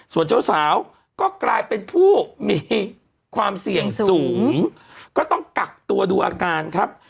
ส่วนเจ้าสาวก็กลายเป็นผู้มีความเสี่ยงสูงก็ต้องกักตัวดูอาการครับ